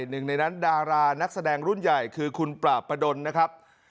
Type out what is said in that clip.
หนึ่งในนั้นดารานักแสดงรุ่นใหญ่คือคุณปราบประดนนะครับ